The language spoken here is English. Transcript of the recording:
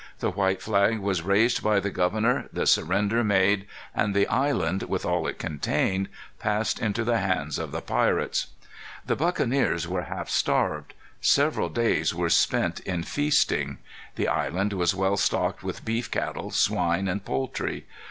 The white flag was raised by the governor, the surrender made, and the island, with all it contained, passed into the hands of the pirates. The buccaneers were half starved. Several days were spent in feasting. The island was well stocked with beef cattle, swine, and poultry.